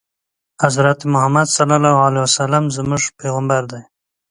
حضرت محمد ص زموږ پیغمبر دی